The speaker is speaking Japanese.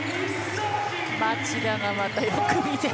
町田が、またよく見て。